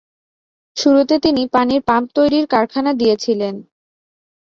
শুরুতে তিনি পানির পাম্প তৈরির কারখানা দিয়েছিলেন।